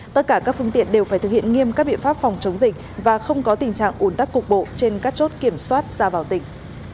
tất cả các phương tiện đều phải thực hiện nghiêm các biện pháp phòng chống dịch và không có tình trạng ủn tắc cục bộ trên các chốt kiểm soát ra vào tỉnh